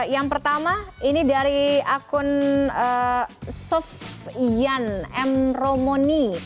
yang pertama ini dari akun sofian m romoni